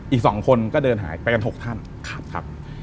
อีก๒คนก็เดินหาไปกัน๖ท่าน